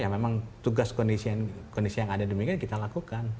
ya memang tugas kondisi yang ada demikian kita lakukan